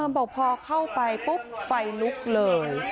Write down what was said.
บอกพอเข้าไปปุ๊บไฟลุกเลย